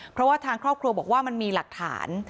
เพราะว่าทางครอบครัวบอกว่ามันมีหลักฐาน